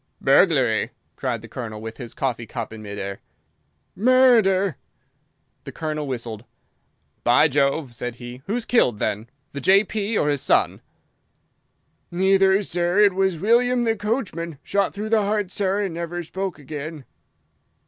"Burglary!" cried the Colonel, with his coffee cup in mid air. "Murder!" The Colonel whistled. "By Jove!" said he. "Who's killed, then? The J.P. or his son?" "Neither, sir. It was William the coachman. Shot through the heart, sir, and never spoke again."